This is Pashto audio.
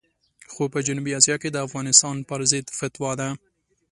خو په جنوبي اسیا کې د افغانستان پرضد فتوا ده.